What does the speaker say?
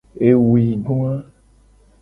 Ewuigoa.